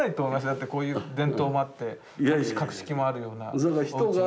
だってこういう伝統もあって格式もあるようなおうちが。